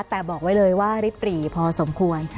แต่บอกไว้เลยว่าริบหรี่พอสมควร